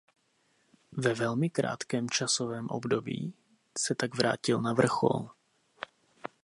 Ve velmi krátkém časovém období se tak vrátil na vrchol.